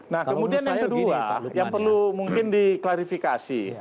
nah kemudian yang kedua yang perlu mungkin diklarifikasi